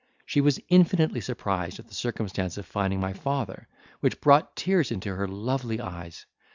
She was infinitely surprised at the circumstance of finding my father, which brought tears into her lovely eyes.